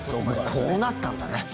こうなったんだね。